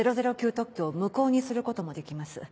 特許を無効にすることもできます。